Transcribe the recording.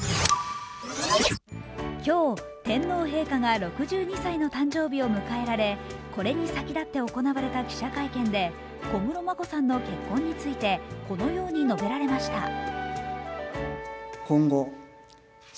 今日、天皇陛下が６２歳の誕生日を迎えられ、これに先立って行われた記者会見で小室眞子さんの結婚についてこのように述べられました。